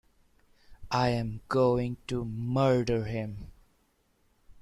I'm going to murder him.